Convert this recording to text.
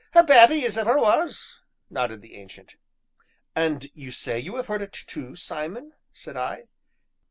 "A babby as ever was," nodded the Ancient. "And you say you have heard it too, Simon?" said I.